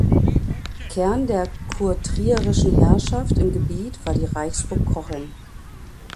Kern der kurtrierischen Herrschaft im Gebiet war die Reichsburg Cochem.